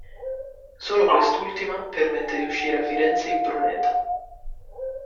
Solo questa ultima permette di uscire a Firenze Impruneta.